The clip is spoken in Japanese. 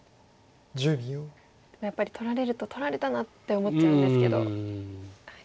ただやっぱり取られると「取られたな」って思っちゃうんですけど。